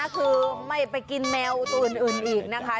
คือไม่ไปกินแมวตัวอื่นอีกนะคะ